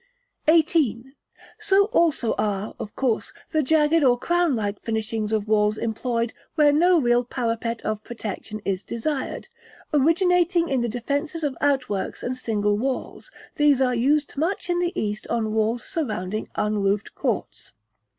§ XVIII. So also are, of course, the jagged or crown like finishings of walls employed where no real parapet of protection is desired; originating in the defences of outworks and single walls: these are used much in the east on walls surrounding unroofed courts.